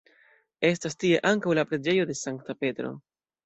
Estas tie ankaŭ la Preĝejo de Sankta Petro.